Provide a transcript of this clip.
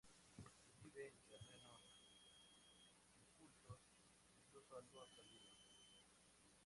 Vive en terrenos incultos, incluso algo salinos.